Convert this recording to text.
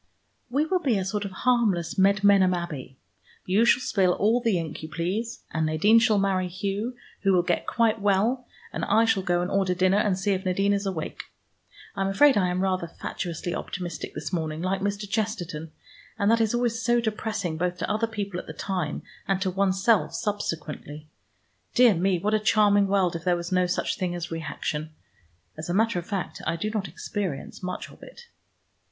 "We will be a sort of harmless Medmenham Abbey. You shall spill all the ink you please, and Nadine shall marry Hugh, who will get quite well, and I shall go and order dinner and see if Nadine is awake. I am afraid I am rather fatuously optimistic this morning, like Mr. Chesterton, and that is always so depressing, both to other people at the time, and to oneself subsequently. Dear me, what a charming world if there was no such thing as reaction. As a matter of fact I do not experience much of it."